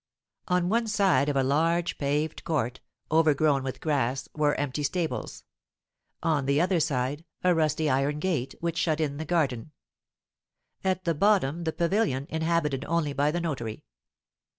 On one side of a large paved court, overgrown with grass, were empty stables; on the other side, a rusty iron gate, which shut in the garden; at the bottom the pavilion, inhabited only by the notary.